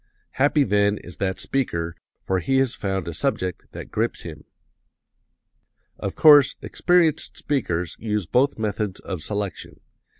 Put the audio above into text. Happy, then, is that speaker, for he has found a subject that grips him. "Of course, experienced speakers use both methods of selection.